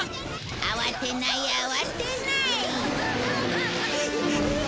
慌てない慌てない